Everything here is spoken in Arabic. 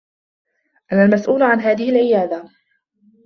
أنا المسؤول عن هذه العيادة.